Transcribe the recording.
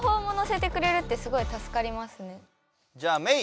じゃあメイ。